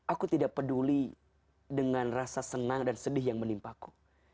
aku tidak peduli dengan rasa senang dan sedih yang menimpaku